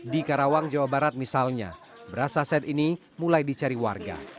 di karawang jawa barat misalnya beras saset ini mulai dicari warga